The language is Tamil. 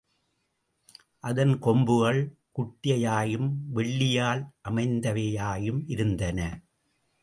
அதன் கொம்புகள் குட்டையாயும், வெள்ளியால் அமைந்தவையாயும் இருந்தன.